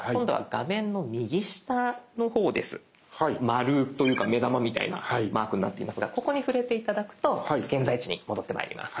丸というか目玉みたいなマークになっていますがここに触れて頂くと現在地に戻ってまいります。